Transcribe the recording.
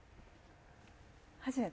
初めて？